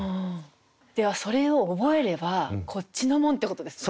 ではそれを覚えればこっちのもんってことですね。